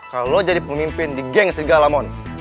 kalau lo jadi pemimpin di geng segala mon